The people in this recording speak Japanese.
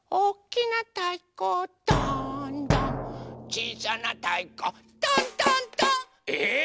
「ちいさなたいこ」「トントントン」えっ⁉